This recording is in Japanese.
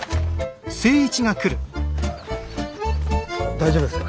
大丈夫ですか？